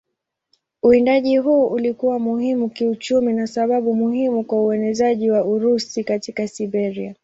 Uwindaji huu ulikuwa muhimu kiuchumi na sababu muhimu kwa uenezaji wa Urusi katika Siberia.